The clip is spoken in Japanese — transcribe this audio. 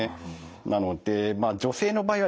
なので女性の場合はですね